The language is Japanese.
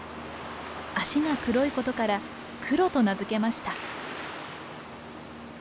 脚が黒いことから「クロ」と名付けました。